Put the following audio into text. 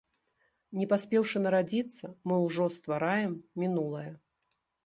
Не паспеўшы нарадзіцца, мы ўжо ствараем мінулае.